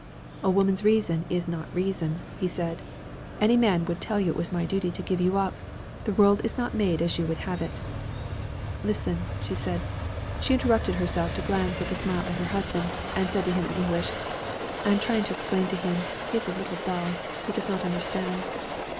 'A woman's reason is not reason,' he said. 'Any man would tell you it was my duty to give you up. The world is not made as you would have it.' 'Listen,' she said. (She interrupted herself to glance with a smile at her husband, and said to him in English, 'I am trying to explain to him. He is a little dull. He does not understand.')